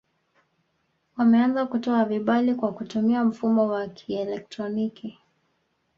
Wameanza kutoa vibali kwa kutumia mfumo wa kielektroniki